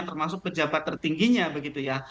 termasuk pejabat tertingginya begitu ya